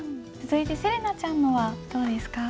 続いてせれなちゃんのはどうですか？